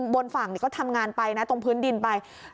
บนฝั่งก็ทำงานไปนะตรงพื้นดินไป